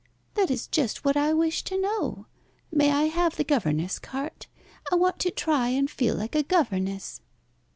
"That is just what I wish to know. May I have the governess cart? I want to try and feel like a governess."